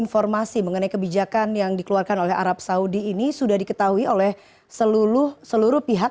informasi mengenai kebijakan yang dikeluarkan oleh arab saudi ini sudah diketahui oleh seluruh pihak